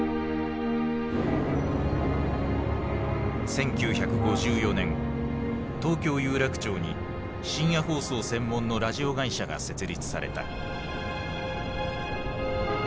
１９５４年東京・有楽町に深夜放送専門のラジオ会社が設立された。